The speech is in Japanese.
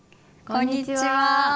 こんにちは。